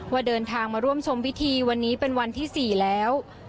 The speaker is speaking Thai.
เดินทางมาร่วมชมพิธีวันนี้เป็นวันที่๔แล้ว